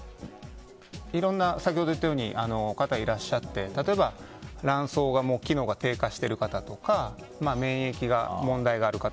先ほど言ったようにいろんな方がいらっしゃって例えば、卵巣の機能が低下してる方とか免疫に問題がある方